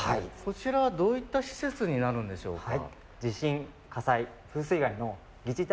こちらは、どういった施設になるんでしょうか？